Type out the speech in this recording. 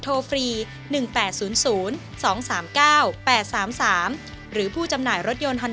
วันนี้ขอบคุณพี่อมนต์มากเลยนะครับ